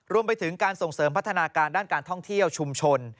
รวมไปถึงการส่งเสริมพัฒนาการด้านการท่องเที่ยวชุมชน